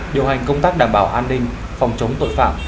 điều hành công tác đảm bảo an ninh phòng chống tội phạm